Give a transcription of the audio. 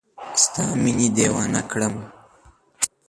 ستا مینې دیوانه کړم